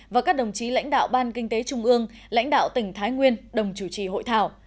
và các đồng chí lãnh đạo ban kinh tế trung ương lãnh đạo tỉnh thái nguyên đồng chủ trì hội thảo